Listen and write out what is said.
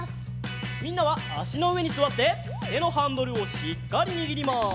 みんなはあしのうえにすわっててのハンドルをしっかりにぎります。